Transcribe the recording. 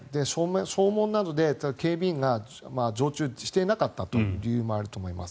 正門などで警備員が常駐していなかったということもあると思います。